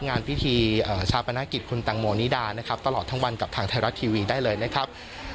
งานพิธีชาปนกิจคุณตังโมนิดานะครับตลอดทั้งวันกับทางไทยรัฐทีวีได้เลยนะครับ